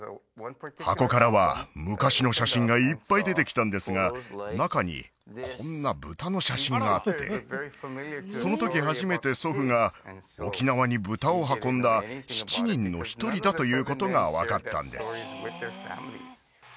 箱からは昔の写真がいっぱい出てきたんですが中にこんな豚の写真があってそのとき初めて祖父が沖縄に豚を運んだ７人の一人だということが分かったんです